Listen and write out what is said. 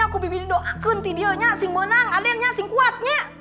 aku akan doakan kamu untuk berjaya di tv